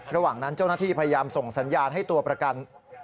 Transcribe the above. ระหว่างนั้นเจ้าหน้าที่พยายามส่งสัญญาณให้ตัวประกัน